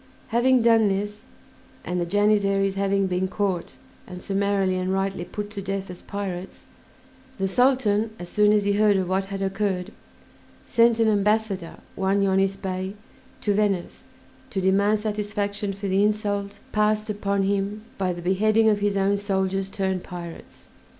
Having done this, and the Janissaries having been caught and summarily and rightly put to death as pirates, the Sultan, as soon as he heard of what had occurred, sent an ambassador, one Yonis Bey, to Venice to demand satisfaction for the insult passed upon him by the beheading of his own soldiers turned pirates.